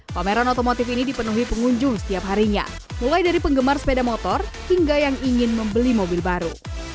pameran otomotif ini dipenuhi pengunjung setiap harinya mulai dari penggemar sepeda motor hingga yang ingin membeli mobil baru